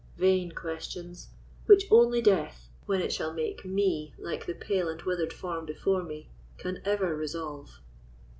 Vain questions, which only death, when it shall make me like the pale and withered form before me, can ever resolve."